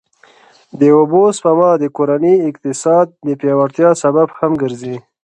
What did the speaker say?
د اوبو سپما د کورني اقتصاد د پیاوړتیا سبب هم ګرځي.